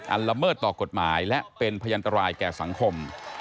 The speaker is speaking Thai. ละเมิดต่อกฎหมายและเป็นพยันตรายแก่สังคม